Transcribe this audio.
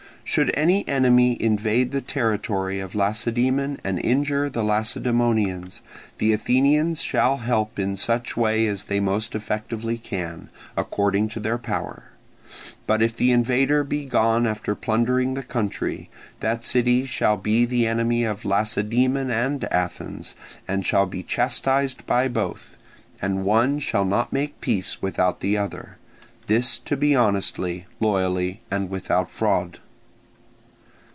Should any enemy invade the territory of Lacedaemon and injure the Lacedaemonians, the Athenians shall help in such way as they most effectively can, according to their power. But if the invader be gone after plundering the country, that city shall be the enemy of Lacedaemon and Athens, and shall be chastised by both, and one shall not make peace without the other. This to be honestly, loyally, and without fraud.